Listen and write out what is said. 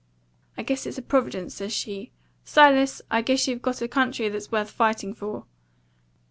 'I guess it's a providence,' says she. 'Silas, I guess you've got a country that's worth fighting for.